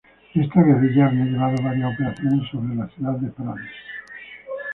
Esta guerrilla había llevado varias operaciones sobre la ciudad de Prades.